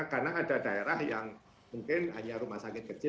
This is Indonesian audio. karena ada daerah yang mungkin hanya rumah sakit kecil